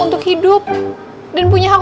untuk hidup dan punya hak